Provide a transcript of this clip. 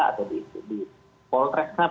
atau di polda transap